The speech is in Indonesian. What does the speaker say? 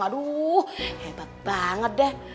aduh hebat banget deh